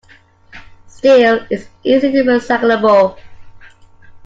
Steel is easily recyclable.